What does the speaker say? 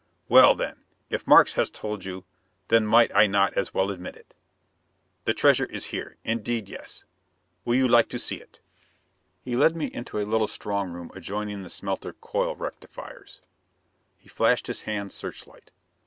"Well, then, if Markes has told you, then might I not as well admit it? The treasure is here, indeed yes. Will you like to see it?" He led me into a little strong room adjoining the smelter coil rectifiers. He flashed his hand searchlight.